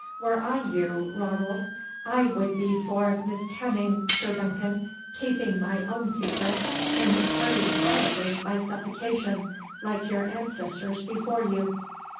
Were I you, Ranald, I would be for miskenning Sir Duncan, keeping my own secret, and departing quietly by suffocation, like your ancestors before you."